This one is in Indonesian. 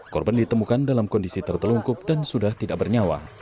korban ditemukan dalam kondisi tertelungkup dan sudah tidak bernyawa